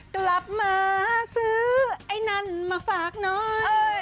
กลับมาซื้อไอ้นั่นมาฝากน้อย